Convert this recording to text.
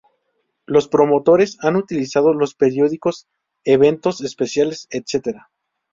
Los promotores han utilizado los periódicos, eventos especiales, etc.